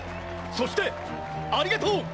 そしてありがとう！